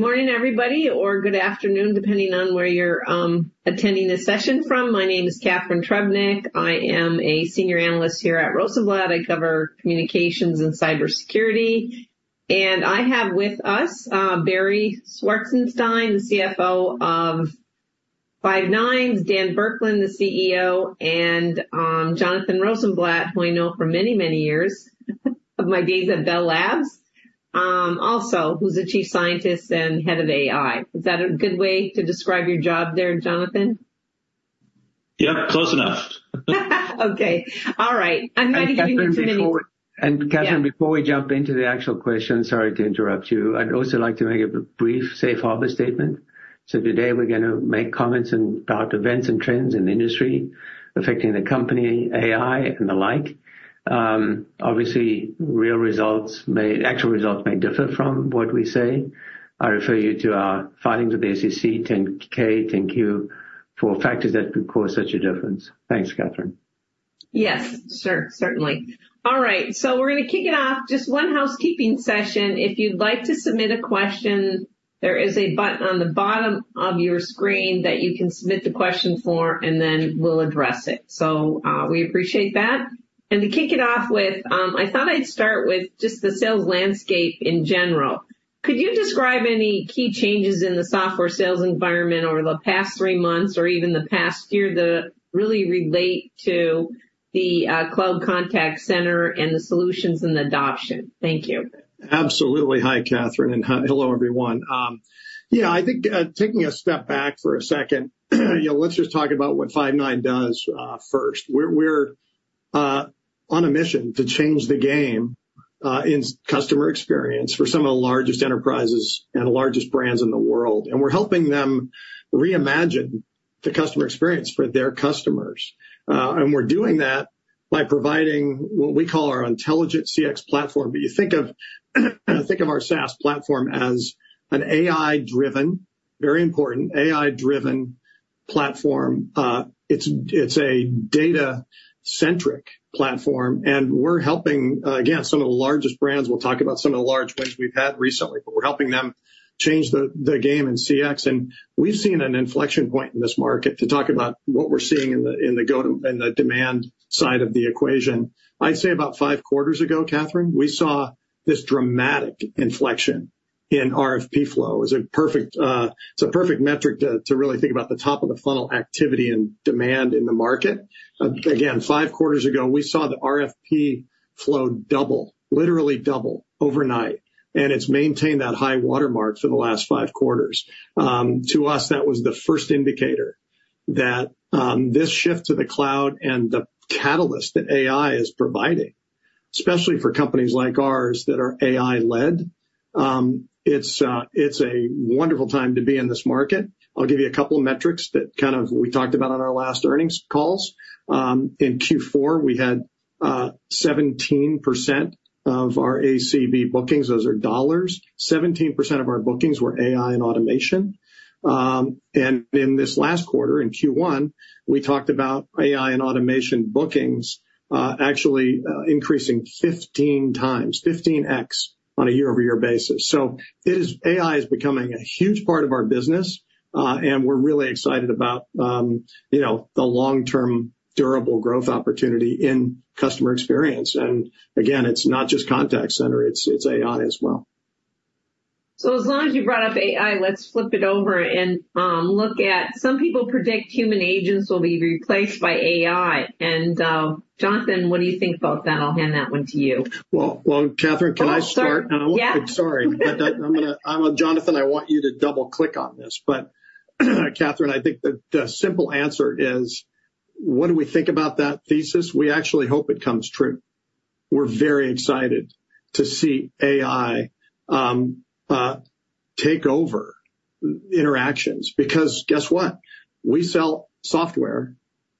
Good morning, everybody, or good afternoon, depending on where you're attending this session from. My name is Catharine Trebnick. I am a senior analyst here at Rosenblatt. I cover communications and cybersecurity. And I have with us Barry Zwarenstein, the CFO of Five9, Dan Burkland, the CRO, and Jonathan Rosenberg, who I know for many, many years of my days at Bell Labs, also who's a chief scientist and head of AI. Is that a good way to describe your job there, Jonathan? Yep, close enough. Okay. All right. I'm ready to give you too many. Catharine, before we jump into the actual question, sorry to interrupt you. I'd also like to make a brief safe harbor statement. So today we're going to make comments about events and trends in the industry affecting the company, AI, and the like. Obviously, real results, actual results may differ from what we say. I refer you to our findings with the SEC, 10-K, 10-Q, for factors that could cause such a difference. Thanks, Catharine. Yes, sure. Certainly. All right. So we're going to kick it off. Just one housekeeping session. If you'd like to submit a question, there is a button on the bottom of your screen that you can submit the question for, and then we'll address it. So we appreciate that. And to kick it off with, I thought I'd start with just the sales landscape in general. Could you describe any key changes in the software sales environment over the past three months or even the past year that really relate to the cloud contact center and the solutions and the adoption? Thank you. Absolutely. Hi, Catharine, and hello, everyone. Yeah, I think taking a step back for a second, let's just talk about what Five9 does first. We're on a mission to change the game in customer experience for some of the largest enterprises and the largest brands in the world. We're helping them reimagine the customer experience for their customers. We're doing that by providing what we call our Intelligent CX Platform. You think of our SaaS platform as an AI-driven, very important AI-driven platform. It's a data-centric platform. We're helping, again, some of the largest brands. We'll talk about some of the large wins we've had recently, but we're helping them change the game in CX. We've seen an inflection point in this market to talk about what we're seeing in the demand side of the equation. I'd say about five quarters ago, Catharine, we saw this dramatic inflection in RFP flow. It's a perfect metric to really think about the top of the funnel activity and demand in the market. Again, five quarters ago, we saw the RFP flow double, literally double overnight, and it's maintained that high watermark for the last five quarters. To us, that was the first indicator that this shift to the cloud and the catalyst that AI is providing, especially for companies like ours that are AI-led, it's a wonderful time to be in this market. I'll give you a couple of metrics that kind of we talked about on our last earnings calls. In Q4, we had 17% of our ACV bookings. Those are dollars. 17% of our bookings were AI and automation. And in this last quarter, in Q1, we talked about AI and automation bookings actually increasing 15x, 15X on a year-over-year basis. So AI is becoming a huge part of our business, and we're really excited about the long-term durable growth opportunity in customer experience. And again, it's not just contact center. It's AI as well. So as long as you brought up AI, let's flip it over and look at some people predict human agents will be replaced by AI. And Jonathan, what do you think about that? I'll hand that one to you. Well, Catharine, can I start? Yeah. Sorry, but I'm Jonathan. I want you to double-click on this. But Catharine, I think the simple answer is, what do we think about that thesis? We actually hope it comes true. We're very excited to see AI take over interactions because guess what? We sell software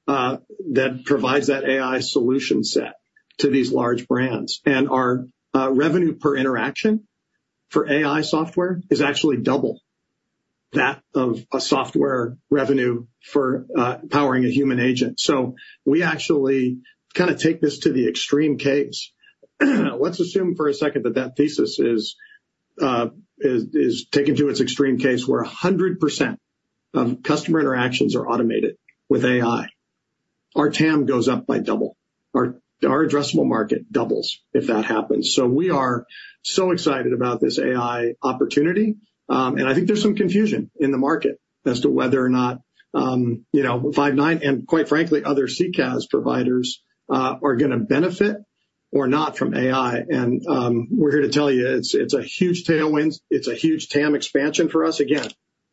that provides that AI solution set to these large brands. And our revenue per interaction for AI software is actually double that of a software revenue for powering a human agent. So we actually kind of take this to the extreme case. Let's assume for a second that that thesis is taken to its extreme case where 100% of customer interactions are automated with AI. Our TAM goes up by double. Our addressable market doubles if that happens. So we are so excited about this AI opportunity. I think there's some confusion in the market as to whether or not Five9 and, quite frankly, other CCaaS providers are going to benefit or not from AI. We're here to tell you it's a huge tailwind. It's a huge TAM expansion for us. Again,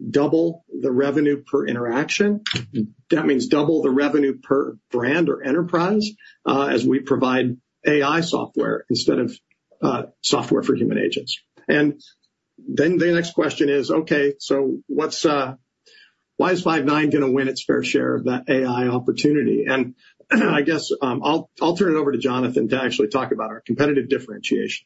double the revenue per interaction. That means double the revenue per brand or enterprise as we provide AI software instead of software for human agents. Then the next question is, okay, so why is Five9 going to win its fair share of that AI opportunity? I guess I'll turn it over to Jonathan to actually talk about our competitive differentiation.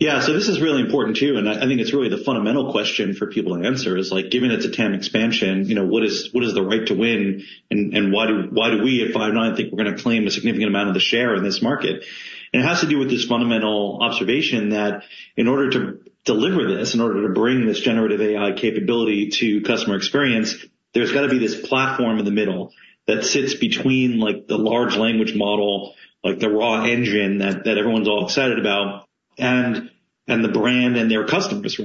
Yeah, so this is really important too. And I think it's really the fundamental question for people to answer is, given it's a TAM expansion, what is the right to win and why do we at Five9 think we're going to claim a significant amount of the share in this market? And it has to do with this fundamental observation that in order to deliver this, in order to bring this generative AI capability to customer experience, there's got to be this platform in the middle that sits between the large language model, like the raw engine that everyone's all excited about, and the brand and their customers.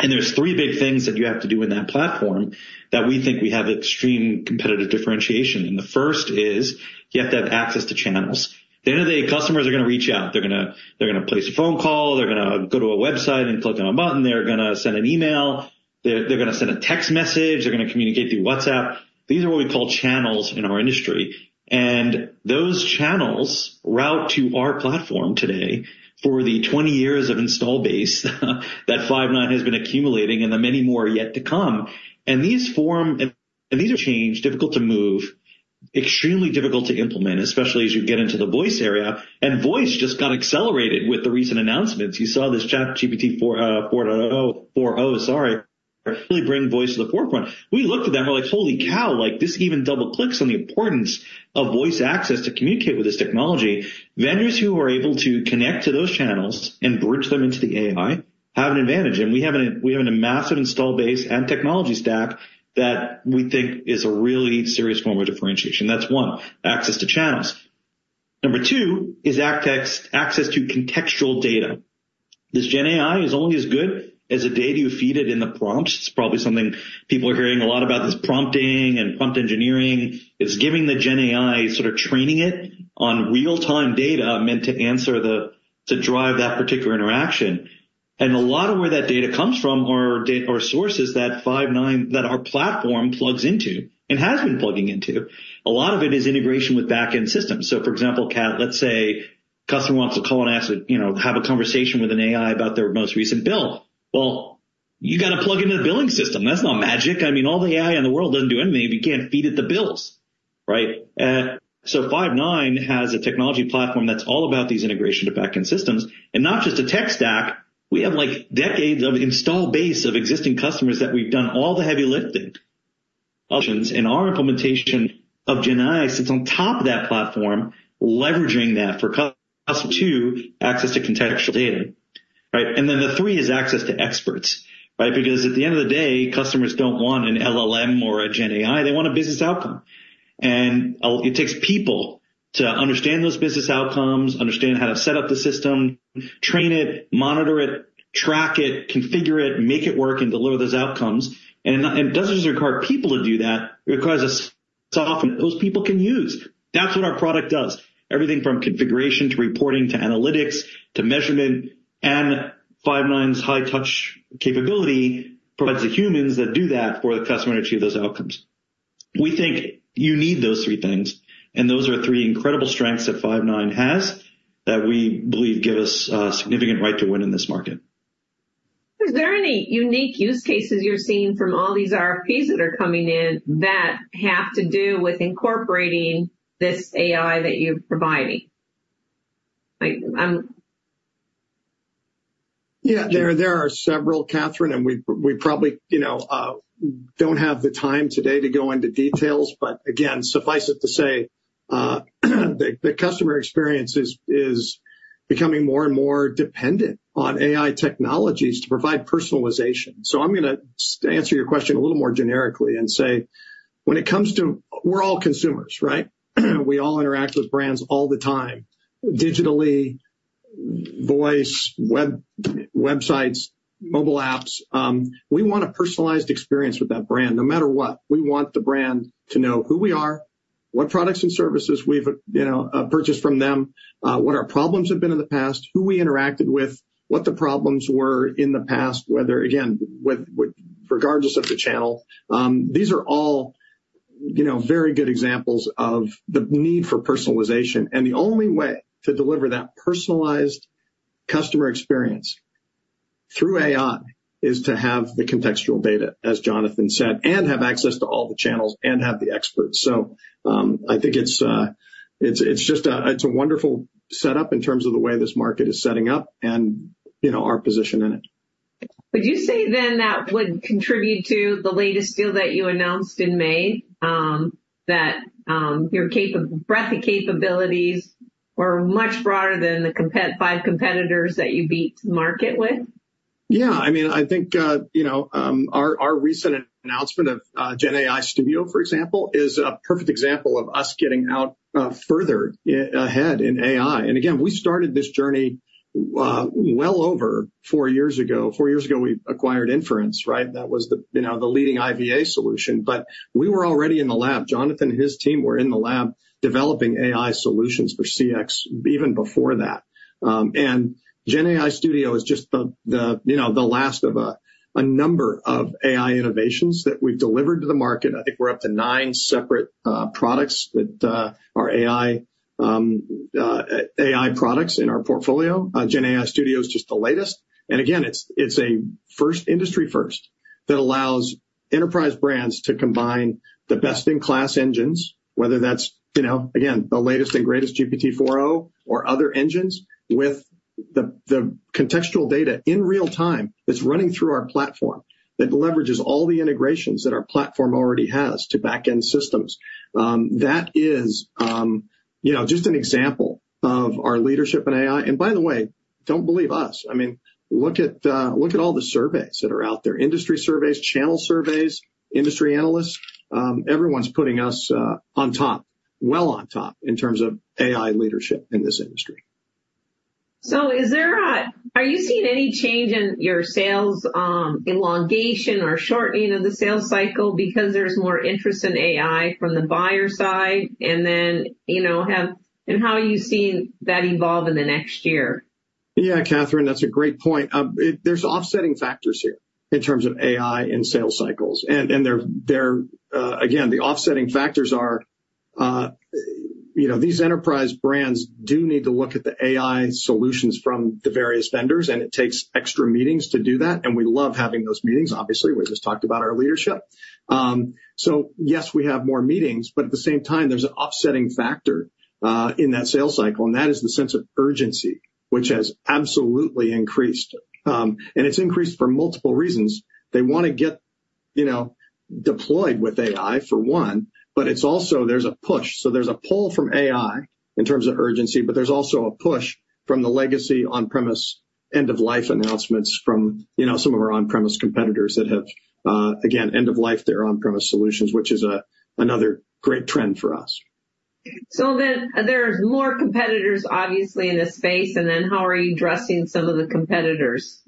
And there's three big things that you have to do in that platform that we think we have extreme competitive differentiation. And the first is you have to have access to channels. The end of the day, customers are going to reach out. They're going to place a phone call. They're going to go to a website and click on a button. They're going to send an email. They're going to send a text message. They're going to communicate through WhatsApp. These are what we call channels in our industry. And those channels route to our platform today for the 20 years of install base that Five9 has been accumulating and the many more yet to come. And these form and these are changed, difficult to move, extremely difficult to implement, especially as you get into the voice area. And voice just got accelerated with the recent announcements. You saw this ChatGPT 4.0, sorry, really bring voice to the forefront. We looked at that and we're like, holy cow, this even double-clicks on the importance of voice access to communicate with this technology. Vendors who are able to connect to those channels and bridge them into the AI have an advantage. And we have a massive install base and technology stack that we think is a really serious form of differentiation. That's one, access to channels. Number two is access to contextual data. This GenAI is only as good as the data you feed it in the prompts. It's probably something people are hearing a lot about this prompting and prompt engineering. It's giving the GenAI, sort of training it on real-time data meant to answer the to drive that particular interaction. And a lot of where that data comes from or sources that Five9, that our platform plugs into and has been plugging into, a lot of it is integration with back-end systems. So for example, let's say a customer wants to call and have a conversation with an AI about their most recent bill. Well, you got to plug into the billing system. That's not magic. I mean, all the AI in the world doesn't do anything if you can't feed it the bills. So Five9 has a technology platform that's all about these integration to back-end systems. And not just a tech stack. We have decades of install base of existing customers that we've done all the heavy lifting. Other solutions and our implementation of GenAI sits on top of that platform, leveraging that for customers to access to contextual data. And then the three is access to experts because at the end of the day, customers don't want an LLM or a GenAI. They want a business outcome. And it takes people to understand those business outcomes, understand how to set up the system, train it, monitor it, track it, configure it, make it work, and deliver those outcomes. And it doesn't just require people to do that. It requires a software that those people can use. That's what our product does. Everything from configuration to reporting to analytics to measurement. And Five9's high-touch capability provides the humans that do that for the customer to achieve those outcomes. We think you need those three things. And those are three incredible strengths that Five9 has that we believe give us a significant right to win in this market. Is there any unique use cases you're seeing from all these RFPs that are coming in that have to do with incorporating this AI that you're providing? Yeah, there are several, Catharine, and we probably don't have the time today to go into details. But again, suffice it to say, the customer experience is becoming more and more dependent on AI technologies to provide personalization. So I'm going to answer your question a little more generically and say, when it comes to, we're all consumers, right? We all interact with brands all the time, digitally, voice, websites, mobile apps. We want a personalized experience with that brand, no matter what. We want the brand to know who we are, what products and services we've purchased from them, what our problems have been in the past, who we interacted with, what the problems were in the past, whether, again, regardless of the channel. These are all very good examples of the need for personalization. The only way to deliver that personalized customer experience through AI is to have the contextual data, as Jonathan said, and have access to all the channels and have the experts. I think it's just a wonderful setup in terms of the way this market is setting up and our position in it. Would you say then that would contribute to the latest deal that you announced in May, that your breadth of capabilities were much broader than the five competitors that you beat the market with? Yeah. I mean, I think our recent announcement of GenAI Studio, for example, is a perfect example of us getting out further ahead in AI. And again, we started this journey well over four years ago. Four years ago, we acquired Inference, right? That was the leading IVA solution. But we were already in the lab. Jonathan and his team were in the lab developing AI solutions for CX even before that. And GenAI Studio is just the last of a number of AI innovations that we've delivered to the market. I think we're up to nine separate products that are AI products in our portfolio. GenAI Studio is just the latest. And again, it's a first industry first that allows enterprise brands to combine the best-in-class engines, whether that's, again, the latest and greatest GPT-4o or other engines with the contextual data in real time that's running through our platform that leverages all the integrations that our platform already has to back-end systems. That is just an example of our leadership in AI. And by the way, don't believe us. I mean, look at all the surveys that are out there, industry surveys, channel surveys, industry analysts. Everyone's putting us on top, well on top in terms of AI leadership in this industry. Are you seeing any change in your sales elongation or shortening of the sales cycle because there's more interest in AI from the buyer side? How are you seeing that evolve in the next year? Yeah, Catharine, that's a great point. There's offsetting factors here in terms of AI and sales cycles. And again, the offsetting factors are these enterprise brands do need to look at the AI solutions from the various vendors, and it takes extra meetings to do that. And we love having those meetings, obviously. We just talked about our leadership. So yes, we have more meetings, but at the same time, there's an offsetting factor in that sales cycle, and that is the sense of urgency, which has absolutely increased. And it's increased for multiple reasons. They want to get deployed with AI, for one, but it's also there's a push. There's a pull from AI in terms of urgency, but there's also a push from the legacy on-premise end-of-life announcements from some of our on-premise competitors that have, again, end-of-life to their on-premise solutions, which is another great trend for us. So there's more competitors, obviously, in this space. And then how are you addressing some of the competitors?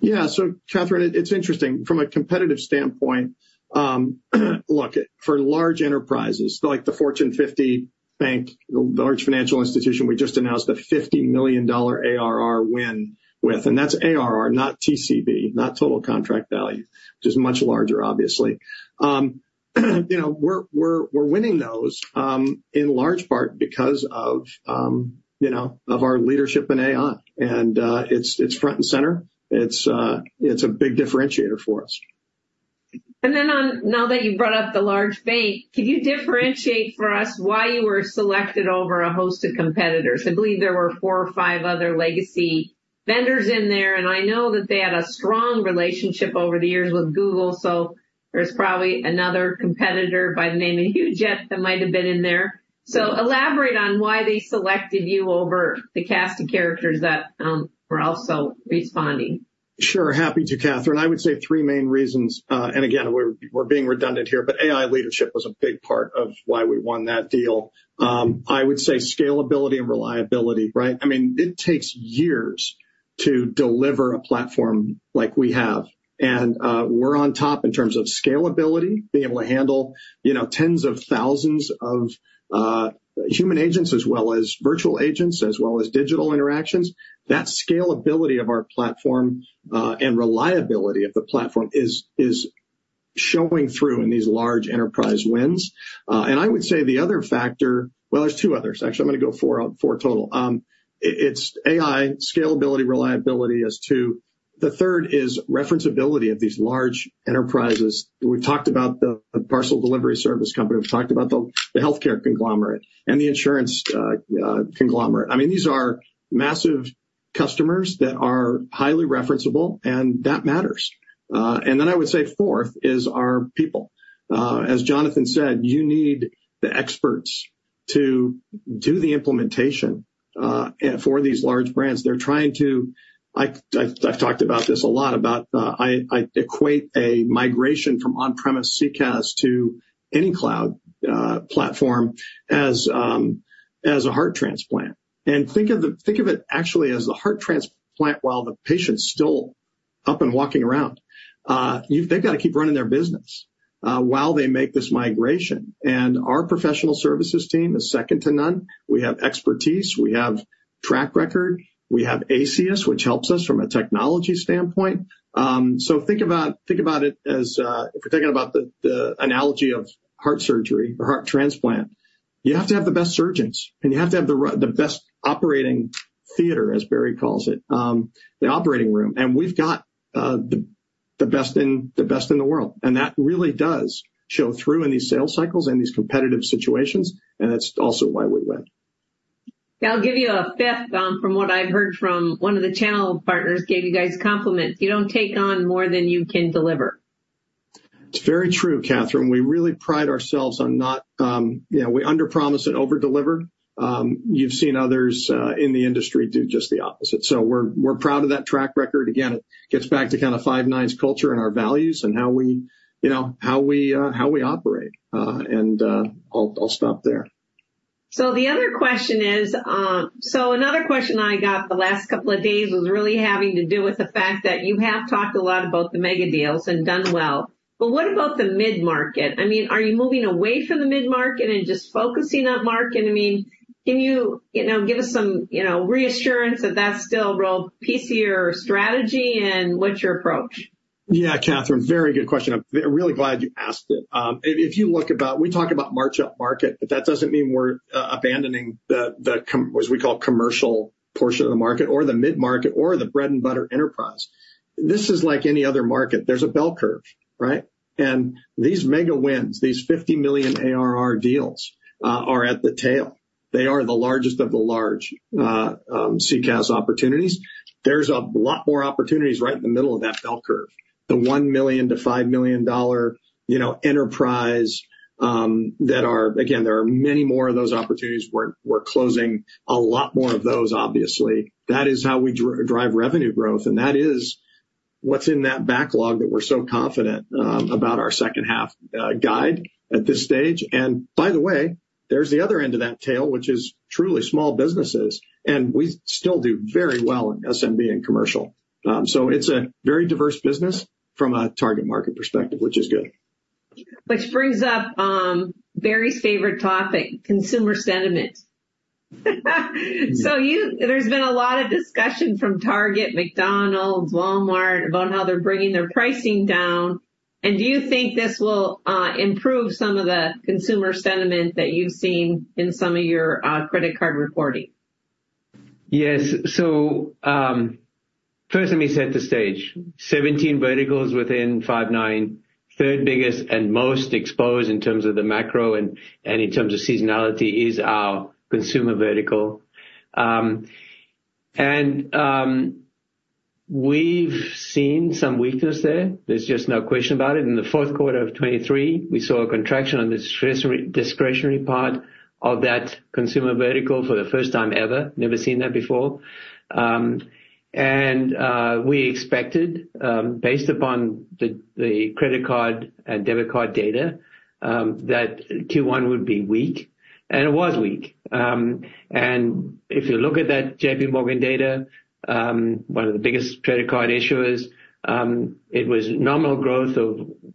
Yeah. So Catharine, it's interesting. From a competitive standpoint, look, for large enterprises like the Fortune 50 bank, the large financial institution, we just announced a $50 million ARR win with. And that's ARR, not TCV, not total contract value, which is much larger, obviously. We're winning those in large part because of our leadership in AI. And it's front and center. It's a big differentiator for us. And then now that you brought up the large bank, can you differentiate for us why you were selected over a host of competitors? I believe there were four or five other legacy vendors in there. And I know that they had a strong relationship over the years with Google. So there's probably another competitor by the name of UJET that might have been in there. So elaborate on why they selected you over the cast of characters that were also responding. Sure. Happy to, Catharine. I would say three main reasons. And again, we're being redundant here, but AI leadership was a big part of why we won that deal. I would say scalability and reliability, right? I mean, it takes years to deliver a platform like we have. And we're on top in terms of scalability, being able to handle tens of thousands of human agents as well as virtual agents, as well as digital interactions. That scalability of our platform and reliability of the platform is showing through in these large enterprise wins. And I would say the other factor, well, there's two others. Actually, I'm going to go four total. It's AI, scalability, reliability as two. The third is referenceability of these large enterprises. We've talked about the parcel delivery service company. We've talked about the healthcare conglomerate and the insurance conglomerate. I mean, these are massive customers that are highly referenceable, and that matters. And then I would say fourth is our people. As Jonathan said, you need the experts to do the implementation for these large brands. They're trying to, I've talked about this a lot, about I equate a migration from on-premise CCaaS to any cloud platform as a heart transplant. And think of it actually as the heart transplant while the patient's still up and walking around. They've got to keep running their business while they make this migration. And our professional services team is second to none. We have expertise. We have track record. We have Aceyus, which helps us from a technology standpoint. So think about it as if we're thinking about the analogy of heart surgery or heart transplant, you have to have the best surgeons, and you have to have the best operating theater, as Barry calls it, the operating room. And we've got the best in the world. And that really does show through in these sales cycles and these competitive situations. And that's also why we win. I'll give you a fifth from what I've heard from one of the channel partners gave you guys compliments. You don't take on more than you can deliver. It's very true, Catharine. We really pride ourselves on not, we underpromise and overdeliver. You've seen others in the industry do just the opposite. So we're proud of that track record. Again, it gets back to kind of Five9's culture and our values and how we operate. I'll stop there. So the other question is, so another question I got the last couple of days was really having to do with the fact that you have talked a lot about the mega deals and done well. But what about the mid-market? I mean, are you moving away from the mid-market and just focusing on market? I mean, can you give us some reassurance that that's still a real piece of your strategy and what's your approach? Yeah, Catharine, very good question. I'm really glad you asked it. If you look about, we talk about move up market, but that doesn't mean we're abandoning the, as we call, commercial portion of the market or the mid-market or the bread and butter enterprise. This is like any other market. There's a bell curve, right? And these mega wins, these $50 million ARR deals are at the tail. They are the largest of the large CCaaS opportunities. There's a lot more opportunities right in the middle of that bell curve, the $1 million-$5 million enterprise that are, again, there are many more of those opportunities. We're closing a lot more of those, obviously. That is how we drive revenue growth. And that is what's in that backlog that we're so confident about our second-half guide at this stage. By the way, there's the other end of that tail, which is truly small businesses. We still do very well in SMB and commercial. It's a very diverse business from a target market perspective, which is good. Which brings up Barry's favorite topic, consumer sentiment. So there's been a lot of discussion from Target, McDonald's, Walmart about how they're bringing their pricing down. And do you think this will improve some of the consumer sentiment that you've seen in some of your credit card reporting? Yes. So first, let me set the stage. 17 verticals within Five9, third biggest and most exposed in terms of the macro and in terms of seasonality is our consumer vertical. And we've seen some weakness there. There's just no question about it. In the fourth quarter of 2023, we saw a contraction on the discretionary part of that consumer vertical for the first time ever. Never seen that before. And we expected, based upon the credit card and debit card data, that Q1 would be weak. And it was weak. And if you look at that JPMorgan data, one of the biggest credit card issuers, it was nominal growth of 1%,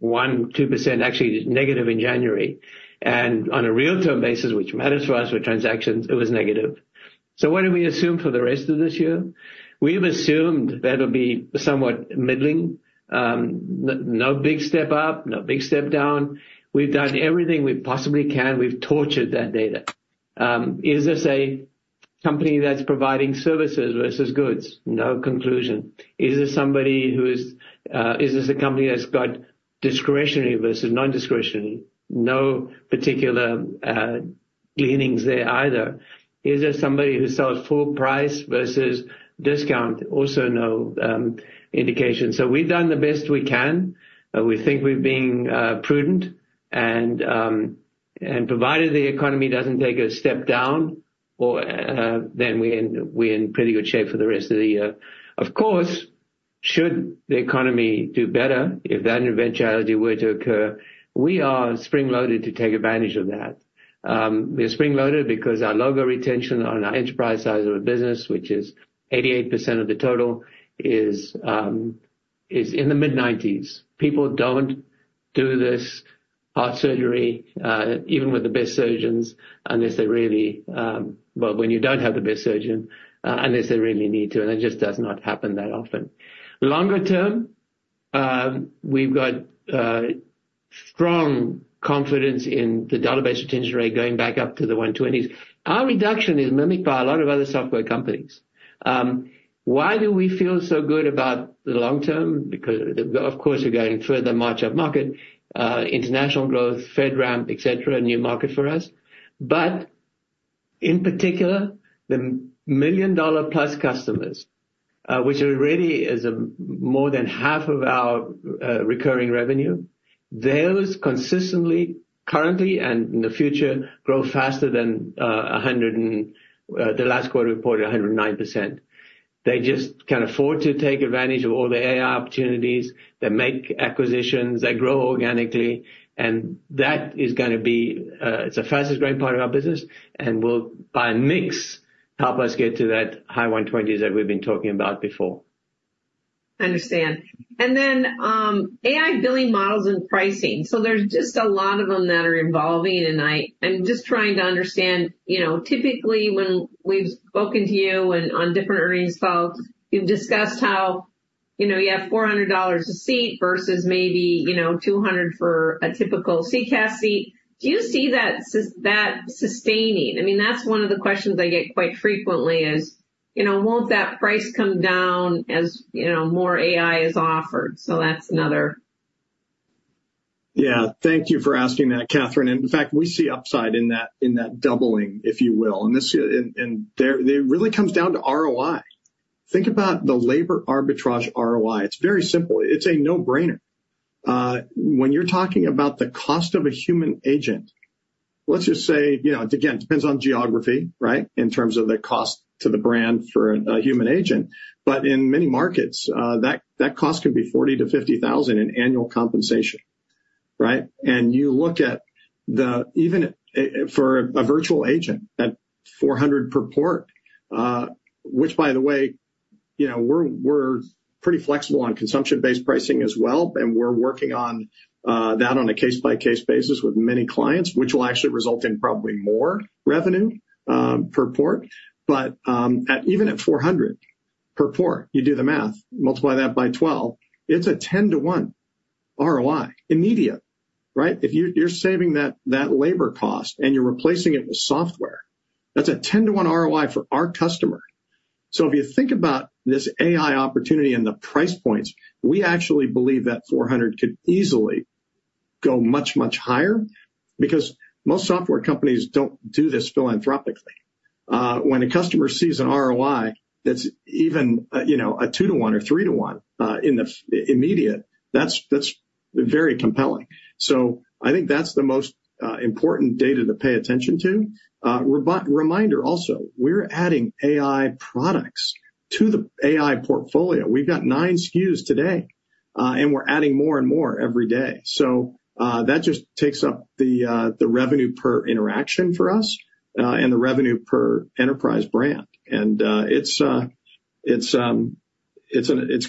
2%, actually negative in January. And on a real-term basis, which matters for us with transactions, it was negative. So what did we assume for the rest of this year? We've assumed that it'll be somewhat middling, no big step up, no big step down. We've done everything we possibly can. We've tortured that data. Is this a company that's providing services versus goods? No conclusion. Is this somebody, is this a company that's got discretionary versus non-discretionary? No particular gleanings there either. Is this somebody who sells full price versus discount? Also no indication. So we've done the best we can. We think we've been prudent. Provided the economy doesn't take a step down, then we're in pretty good shape for the rest of the year. Of course, should the economy do better, if that eventuality were to occur, we are spring-loaded to take advantage of that. We're spring-loaded because our logo retention on our enterprise size of a business, which is 88% of the total, is in the mid-90s. People don't do this heart surgery, even with the best surgeons, unless they really, well, when you don't have the best surgeon, unless they really need to. That just does not happen that often. Longer term, we've got strong confidence in the dollar-based retention rate going back up to the 120s. Our reduction is mimicked by a lot of other software companies. Why do we feel so good about the long term? Because, of course, we're going further up market, international growth, FedRAMP, etc., new market for us. But in particular, the $1 million-plus customers, which already is more than half of our recurring revenue, they consistently, currently, and in the future, grow faster than the last quarter reported 109%. They just can afford to take advantage of all the AI opportunities. They make acquisitions. They grow organically. That is going to be. It's the fastest growing part of our business. We'll, by a mix, help us get to that high 120s that we've been talking about before. I understand. Then AI billing models and pricing. So there's just a lot of them that are evolving. I'm just trying to understand, typically, when we've spoken to you and on different earnings calls, you've discussed how you have $400 a seat versus maybe $200 for a typical CCaaS seat. Do you see that sustaining? I mean, that's one of the questions I get quite frequently is, won't that price come down as more AI is offered? So that's another. Yeah. Thank you for asking that, Catharine. In fact, we see upside in that doubling, if you will. It really comes down to ROI. Think about the labor arbitrage ROI. It's very simple. It's a no-brainer. When you're talking about the cost of a human agent, let's just say, again, it depends on geography, right, in terms of the cost to the brand for a human agent. In many markets, that cost can be $40,000-$50,000 in annual compensation, right? You look at the, even for a virtual agent, at $400 per port, which, by the way, we're pretty flexible on consumption-based pricing as well. We're working on that on a case-by-case basis with many clients, which will actually result in probably more revenue per port. But even at $400 per port, you do the math, multiply that by 12, it's a 10-to-one ROI immediately, right? If you're saving that labor cost and you're replacing it with software, that's a 10-to-one ROI for our customer. So if you think about this AI opportunity and the price points, we actually believe that $400 could easily go much, much higher because most software companies don't do this philanthropically. When a customer sees an ROI that's even a two-to-one or three-to-one in the immediate, that's very compelling. So I think that's the most important data to pay attention to. Reminder also, we're adding AI products to the AI portfolio. We've got nine SKUs today, and we're adding more and more every day. So that just takes up the revenue per interaction for us and the revenue per enterprise brand. It's going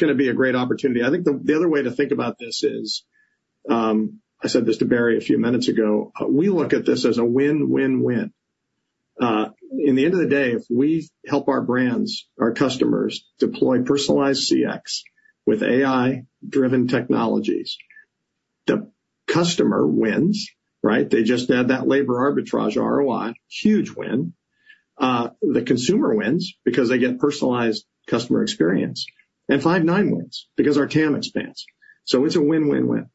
to be a great opportunity. I think the other way to think about this is, I said this to Barry a few minutes ago, we look at this as a win, win, win. In the end of the day, it's a win, win, win.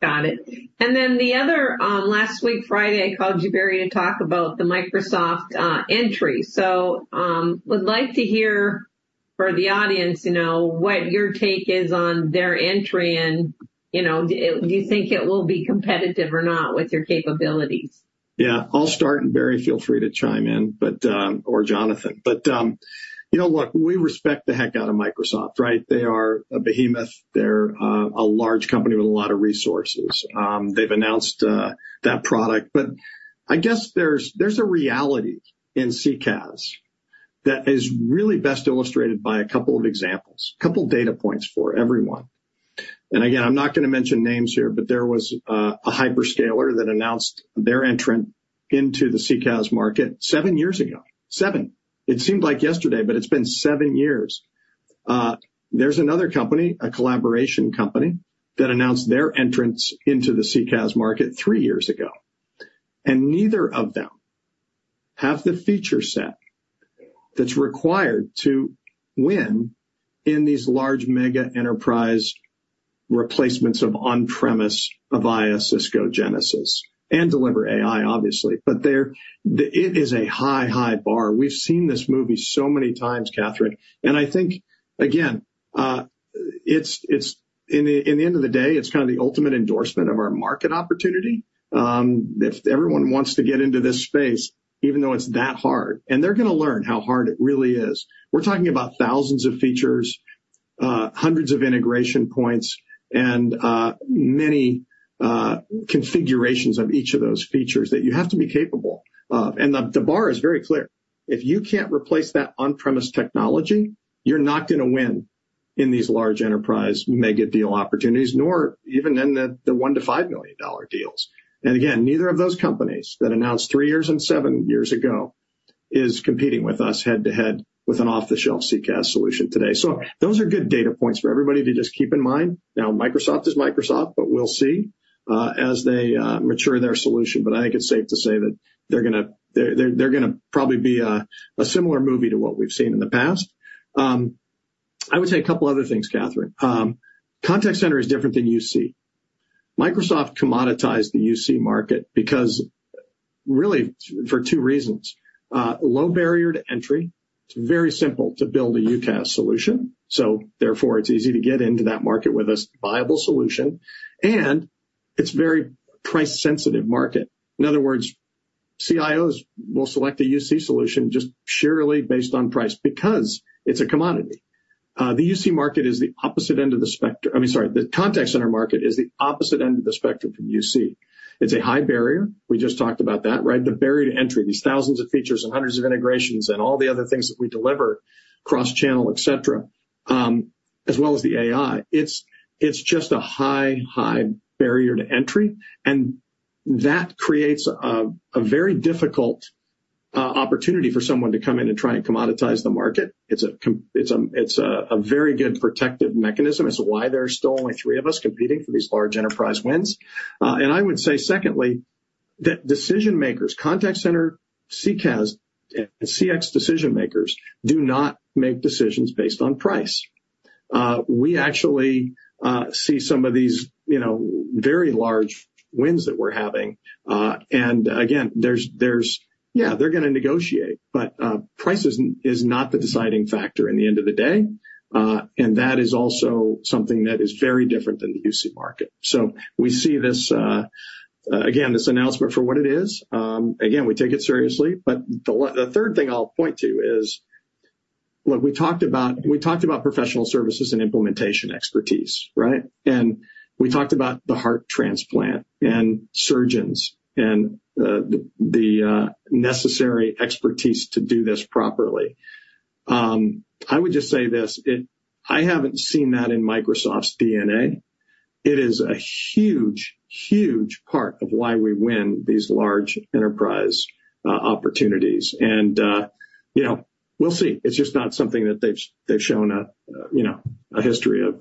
Got it. And then the other last week, Friday, I called you, Barry, to talk about the Microsoft entry. So would like to hear for the audience what your take is on their entry and do you think it will be competitive or not with your capabilities? Yeah. I'll start, and Barry, feel free to chime in, or Jonathan. But look, we respect the heck out of Microsoft, right? They are a behemoth. They're a large company with a lot of resources. They've announced that product. But I guess there's a reality in CCaaS that is really best illustrated by a couple of examples, a couple of data points for everyone. And again, I'm not going to mention names here, but there was a hyperscaler that announced their entrant into the CCaaS market seven years ago, seven. It seemed like yesterday, but it's been seven years. There's another company, a collaboration company, that announced their entrance into the CCaaS market three years ago. And neither of them have the feature set that's required to win in these large mega enterprise replacements of on-premise Avaya, Cisco, Genesys, and deliver AI, obviously. But it is a high, high bar. We've seen this movie so many times, Catharine. And I think, again, in the end of the day, it's kind of the ultimate endorsement of our market opportunity. If everyone wants to get into this space, even though it's that hard, and they're going to learn how hard it really is. We're talking about thousands of features, hundreds of integration points, and many configurations of each of those features that you have to be capable of. And the bar is very clear. If you can't replace that on-premise technology, you're not going to win in these large enterprise mega deal opportunities, nor even in the $1-$5 million deals. And again, neither of those companies that announced three years and seven years ago is competing with us head-to-head with an off-the-shelf CCaaS solution today. So those are good data points for everybody to just keep in mind. Now, Microsoft is Microsoft, but we'll see as they mature their solution. But I think it's safe to say that they're going to probably be a similar moat to what we've seen in the past. I would say a couple of other things, Catharine. Contact Center is different than UC. Microsoft commoditized the UC market because really for two reasons. Low barrier to entry. It's very simple to build a UCaaS solution. So therefore, it's easy to get into that market with a viable solution. And it's a very price-sensitive market. In other words, CIOs will select a UC solution just purely based on price because it's a commodity. The UC market is the opposite end of the spectrum. I mean, sorry, the Contact Center market is the opposite end of the spectrum from UC. It's a high barrier. We just talked about that, right? The barrier to entry, these thousands of features and hundreds of integrations and all the other things that we deliver, cross-channel, etc., as well as the AI. It's just a high, high barrier to entry. And that creates a very difficult opportunity for someone to come in and try and commoditize the market. It's a very good protective mechanism. It's why there are still only three of us competing for these large enterprise wins. And I would say, secondly, that decision makers, Contact Center, CCaaS, and CX decision makers do not make decisions based on price. We actually see some of these very large wins that we're having. And again, there's, yeah, they're going to negotiate, but price is not the deciding factor in the end of the day. And that is also something that is very different than the UC market. So we see this, again, this announcement for what it is. Again, we take it seriously. But the third thing I'll point to is, look, we talked about professional services and implementation expertise, right? And we talked about the heart transplant and surgeons and the necessary expertise to do this properly. I would just say this. I haven't seen that in Microsoft's DNA. It is a huge, huge part of why we win these large enterprise opportunities. And we'll see. It's just not something that they've shown a history of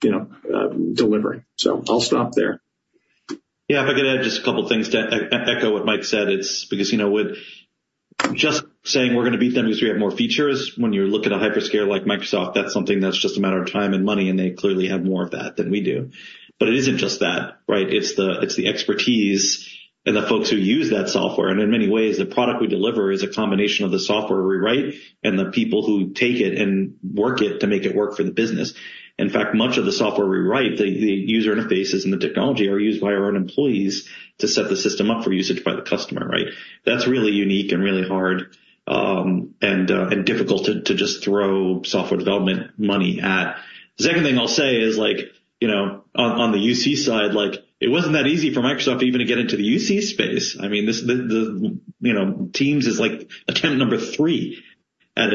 delivering. So I'll stop there. Yeah. If I could add just a couple of things to echo what Mike said, it's because just saying we're going to beat them because we have more features, when you look at a hyperscaler like Microsoft, that's something that's just a matter of time and money. And they clearly have more of that than we do. But it isn't just that, right? It's the expertise and the folks who use that software. And in many ways, the product we deliver is a combination of the software we write and the people who take it and work it to make it work for the business. In fact, much of the software we write, the user interfaces and the technology are used by our own employees to set the system up for usage by the customer, right? That's really unique and really hard and difficult to just throw software development money at. The second thing I'll say is, on the UC side, it wasn't that easy for Microsoft even to get into the UC space. I mean, Teams is like attempt number 3 at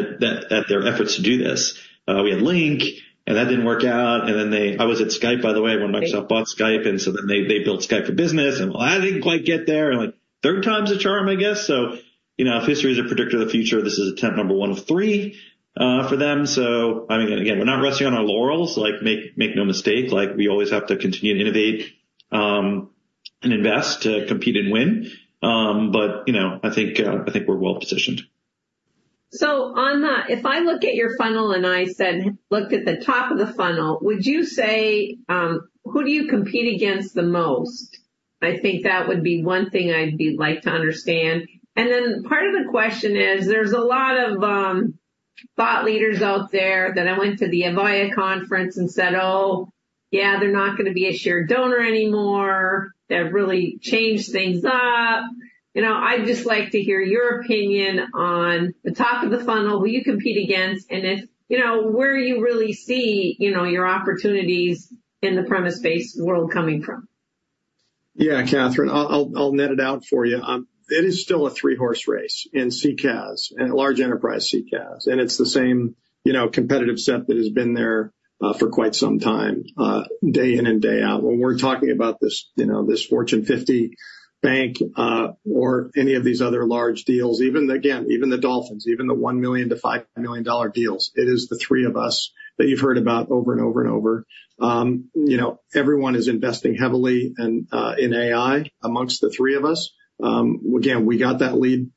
their efforts to do this. We had Lync, and that didn't work out. And then I was at Skype, by the way, when Microsoft bought Skype. And so then they built Skype for Business. And well, I didn't quite get there. Third time's a charm, I guess. So if history is a predictor of the future, this is attempt number 1 of 3 for them. So I mean, again, we're not resting on our laurels. Make no mistake. We always have to continue to innovate and invest to compete and win. But I think we're well positioned. So if I look at your funnel and I looked at the top of the funnel, would you say who do you compete against the most? I think that would be one thing I'd like to understand. And then part of the question is, there's a lot of thought leaders out there that I went to the Avaya conference and said, "Oh, yeah, they're not going to be on-premise anymore. They've really changed things up." I'd just like to hear your opinion on the top of the funnel, who you compete against, and where you really see your opportunities in the on-premise world coming from. Yeah, Catharine, I'll net it out for you. It is still a three-horse race in CCaaS and large enterprise CCaaS. It's the same competitive set that has been there for quite some time, day in and day out. When we're talking about this Fortune 50 bank or any of these other large deals, again, even the Dolphins, even the $1 million-$5 million deals, it is the three of us that you've heard about over and over and over. Everyone is investing heavily in AI amongst the three of us. Again, we got that lead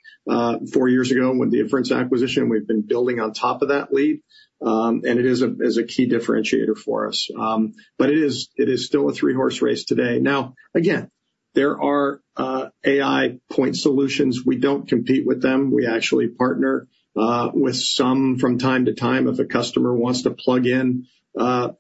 four years ago with the Inference acquisition. We've been building on top of that lead. It is a key differentiator for us. But it is still a three-horse race today. Now, again, there are AI point solutions. We don't compete with them. We actually partner with some from time to time. If a customer wants to plug in a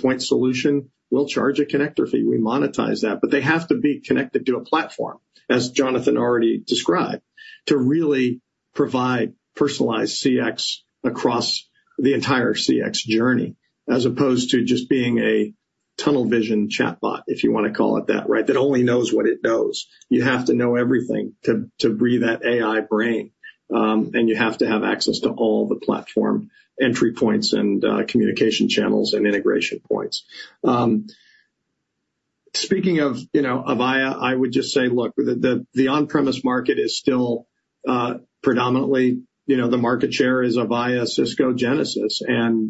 point solution, we'll charge a connector fee. We monetize that. But they have to be connected to a platform, as Jonathan already described, to really provide personalized CX across the entire CX journey, as opposed to just being a tunnel vision chatbot, if you want to call it that, right, that only knows what it knows. You have to know everything to breed that AI brain. You have to have access to all the platform entry points and communication channels and integration points. Speaking of Avaya, I would just say, look, the on-premise market is still predominantly the market share is Avaya, Cisco, Genesys.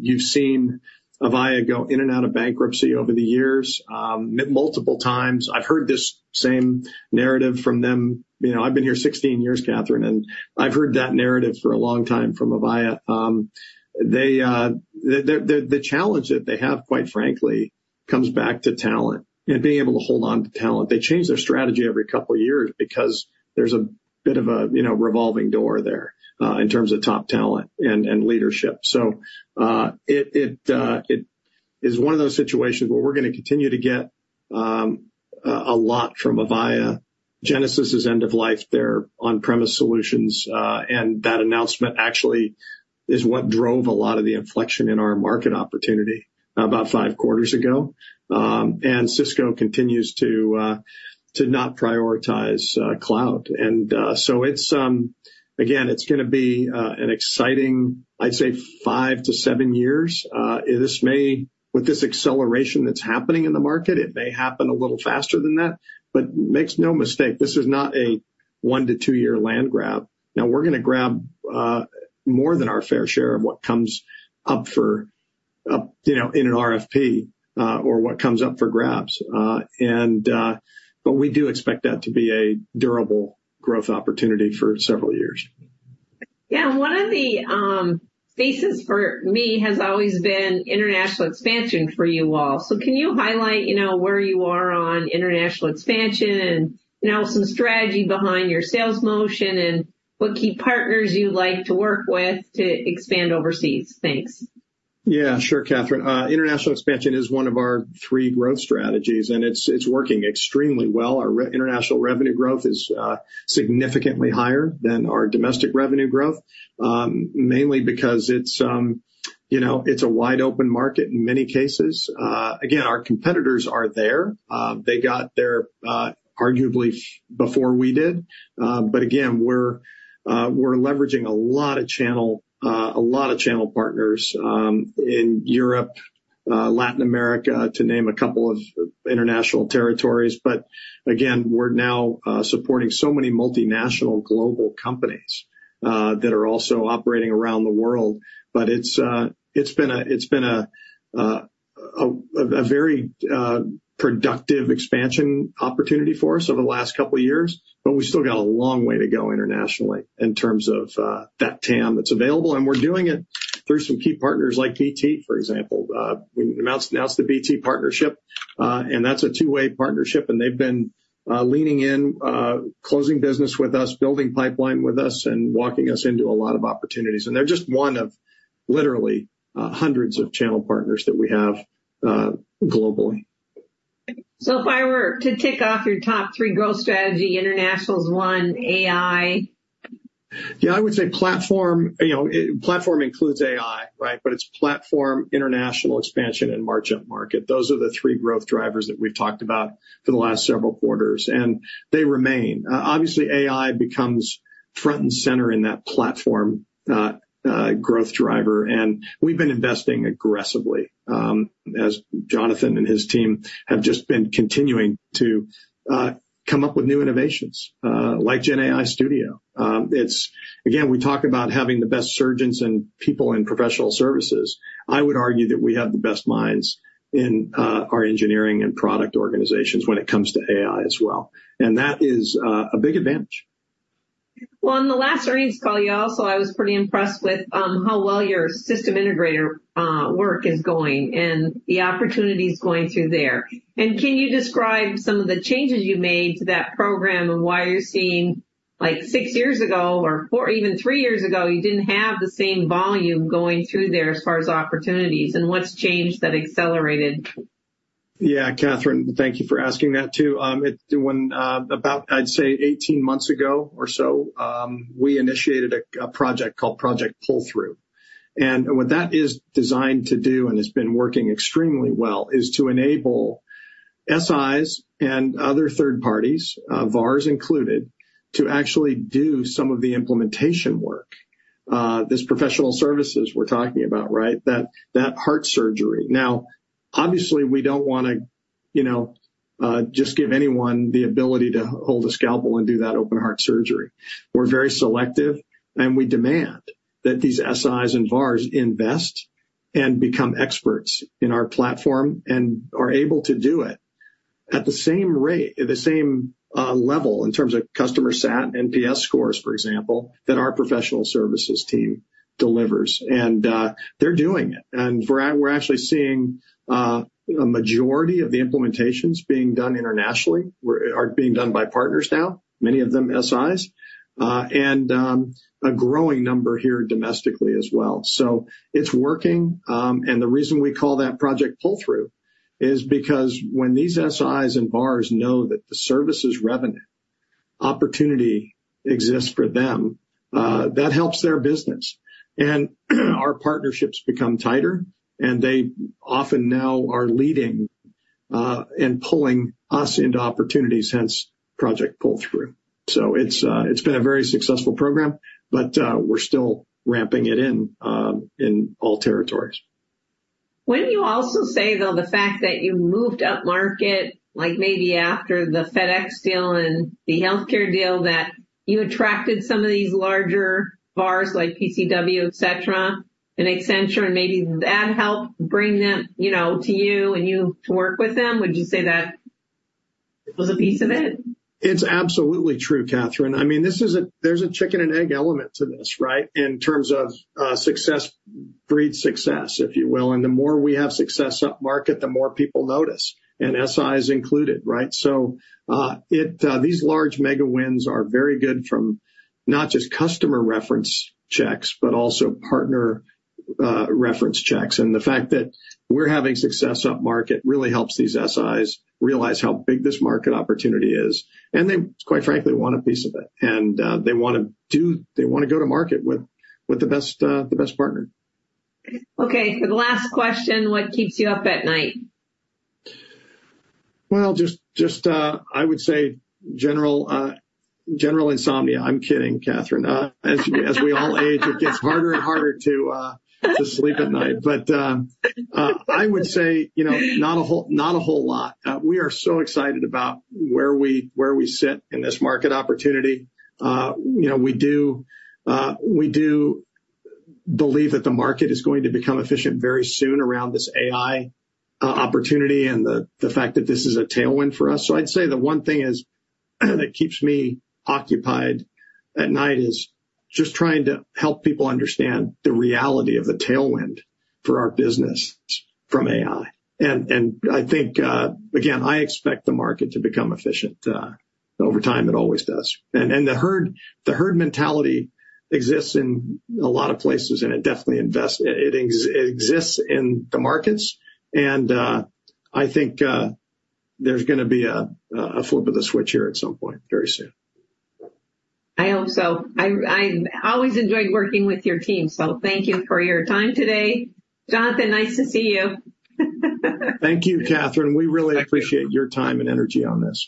You've seen Avaya go in and out of bankruptcy over the years multiple times. I've heard this same narrative from them. I've been here 16 years, Catharine, and I've heard that narrative for a long time from Avaya. The challenge that they have, quite frankly, comes back to talent and being able to hold on to talent. They change their strategy every couple of years because there's a bit of a revolving door there in terms of top talent and leadership. So it is one of those situations where we're going to continue to get a lot from Avaya. Genesys is end of life there, on-premise solutions. And that announcement actually is what drove a lot of the inflection in our market opportunity about five quarters ago. And Cisco continues to not prioritize cloud. And so again, it's going to be an exciting, I'd say, five to seven years. With this acceleration that's happening in the market, it may happen a little faster than that. But make no mistake, this is not a 1- to 2-year land grab. Now, we're going to grab more than our fair share of what comes up in an RFP or what comes up for grabs. But we do expect that to be a durable growth opportunity for several years. Yeah. One of the theses for me has always been international expansion for you all. So can you highlight where you are on international expansion and some strategy behind your sales motion and what key partners you'd like to work with to expand overseas? Thanks. Yeah, sure, Catharine. International expansion is one of our three growth strategies. It's working extremely well. Our international revenue growth is significantly higher than our domestic revenue growth, mainly because it's a wide open market in many cases. Again, our competitors are there. They got there arguably before we did. Again, we're leveraging a lot of channel partners in Europe, Latin America, to name a couple of international territories. Again, we're now supporting so many multinational global companies that are also operating around the world. It's been a very productive expansion opportunity for us over the last couple of years. We still got a long way to go internationally in terms of that TAM that's available. We're doing it through some key partners like BT, for example. We announced the BT partnership. That's a two-way partnership. And they've been leaning in, closing business with us, building pipeline with us, and walking us into a lot of opportunities. And they're just one of literally hundreds of channel partners that we have globally. If I were to tick off your top three growth strategy, international is one, AI. Yeah, I would say platform. Platform includes AI, right? But it's platform, international expansion, and march upmarket. Those are the three growth drivers that we've talked about for the last several quarters. And they remain. Obviously, AI becomes front and center in that platform growth driver. And we've been investing aggressively, as Jonathan and his team have just been continuing to come up with new innovations like GenAI Studio. Again, we talk about having the best surgeons and people in professional services. I would argue that we have the best minds in our engineering and product organizations when it comes to AI as well. And that is a big advantage. Well, on the last earnings call, you also, I was pretty impressed with how well your system integrator work is going and the opportunities going through there. And can you describe some of the changes you've made to that program and why you're seeing like six years ago or even three years ago, you didn't have the same volume going through there as far as opportunities? And what's changed that accelerated? Yeah, Catharine, thank you for asking that too. About, I'd say, 18 months ago or so, we initiated a project called Project Pull Through. What that is designed to do and has been working extremely well is to enable SIs and other third parties, VARs included, to actually do some of the implementation work, this professional services we're talking about, right, that heart surgery. Now, obviously, we don't want to just give anyone the ability to hold a scalpel and do that open heart surgery. We're very selective. We demand that these SIs and VARs invest and become experts in our platform and are able to do it at the same level in terms of customer sat and NPS scores, for example, that our professional services team delivers. They're doing it. We're actually seeing a majority of the implementations being done internationally or being done by partners now, many of them SIs, and a growing number here domestically as well. So it's working. And the reason we call that Project Pull Through is because when these SIs and VARs know that the services revenue opportunity exists for them, that helps their business. And our partnerships become tighter. And they often now are leading and pulling us into opportunities, hence Project Pull Through. So it's been a very successful program, but we're still ramping it in all territories. Wouldn't you also say, though, the fact that you moved up market, like maybe after the FedEx deal and the healthcare deal, that you attracted some of these larger VARs like CDW, etc., and Accenture, and maybe that helped bring them to you and you to work with them? Would you say that was a piece of it? It's absolutely true, Catharine. I mean, there's a chicken and egg element to this, right, in terms of breed success, if you will. And the more we have success up market, the more people notice, and SIs included, right? So these large mega wins are very good from not just customer reference checks, but also partner reference checks. And the fact that we're having success up market really helps these SIs realize how big this market opportunity is. And they, quite frankly, want a piece of it. And they want to go to market with the best partner. Okay. For the last question, what keeps you up at night? Well, just I would say general insomnia. I'm kidding, Catharine. As we all age, it gets harder and harder to sleep at night. I would say not a whole lot. We are so excited about where we sit in this market opportunity. We do believe that the market is going to become efficient very soon around this AI opportunity and the fact that this is a tailwind for us. I'd say the one thing that keeps me occupied at night is just trying to help people understand the reality of the tailwind for our business from AI. I think, again, I expect the market to become efficient over time. It always does. The herd mentality exists in a lot of places. It definitely exists in the markets. I think there's going to be a flip of the switch here at some point very soon. I hope so. I always enjoyed working with your team. So thank you for your time today. Jonathan, nice to see you. Thank you, Catharine. We really appreciate your time and energy on this.